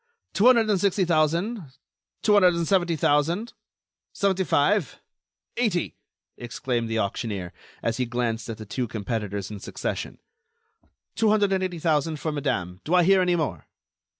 "Two hundred and sixty thousand ... two hundred and seventy thousand ... seventy five ... eighty...." exclaimed the auctioneer, as he glanced at the two competitors in succession. "Two hundred and eighty thousand for madame.... Do I hear any more?"